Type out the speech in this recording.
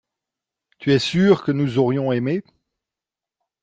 tu es sûr que nous aurions aimé.